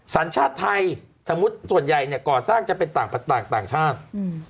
สัญชาติไทยสมมุติส่วนใหญ่ก่อสร้างจะเป็นต่างชาติ